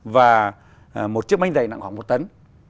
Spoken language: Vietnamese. và một chiếc bánh dày nặng khoảng một tấn